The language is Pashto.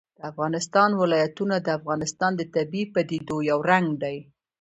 د افغانستان ولايتونه د افغانستان د طبیعي پدیدو یو رنګ دی.